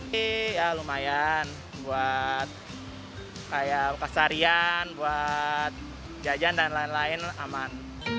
jadi ya lumayan buat kayak pasarian buat jajan dan lain lain aman